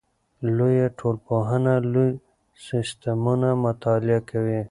لویه ټولنپوهنه لوی سیستمونه مطالعه کوي.